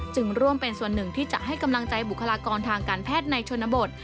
ร่วมเป็นส่วนหนึ่งที่จะให้กำลังใจบุคลากรทางการแพทย์ในชนบท